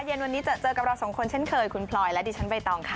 เย็นวันนี้เจอกับเราสองคนเช่นเคยคุณพลอยและดิฉันใบตองค่ะ